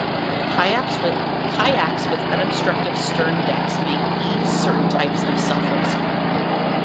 Kayaks with unobstructed stern decks may ease certain types of self-rescue.